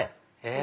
え